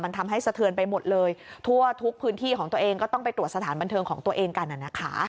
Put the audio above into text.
มันทำให้สะเทือนไปหมดเลยทั่วทุกพื้นที่ของตัวเองก็ต้องไปตรวจสถานบันเทิงของตัวเองกันนะคะ